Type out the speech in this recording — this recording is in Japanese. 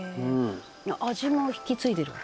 「味も引き継いでる？」